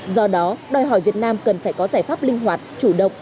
do đó đòi hỏi việt nam cần phải có giải pháp linh hoạt chủ động